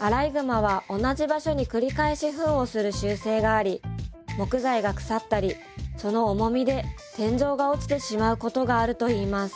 アライグマは同じ場所に繰り返しフンをする習性があり木材が腐ったりその重みで天井が落ちてしまうことがあるといいます。